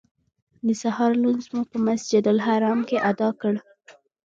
د سهار لمونځ مو په مسجدالحرام کې ادا کړ.